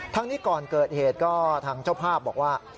ทั้งนี้ก่อนเกิดเหตุก็ทางเจ้าภาพบอกว่า